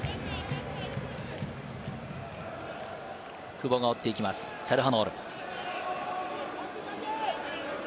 久保が追っていきます、チャルハノール。